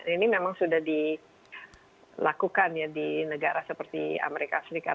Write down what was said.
ini memang sudah dilakukan ya di negara seperti amerika serikat